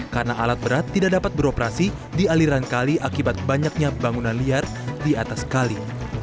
karena alat berat tidak dapat beroperasi di aliran kali akibat banyaknya bangunan liar di atas kali